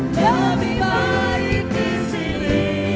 lebih baik di sini